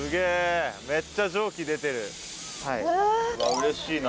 うれしいな。